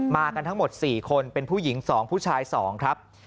มากันทั้งหมด๔คนเป็นผู้หญิง๒ผู้ชาย๒ครับ